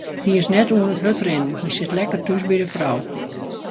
Hy is net oan it hurdrinnen, hy sit lekker thús by de frou.